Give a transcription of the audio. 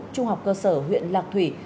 trung học cơ sở huyện lạc thủy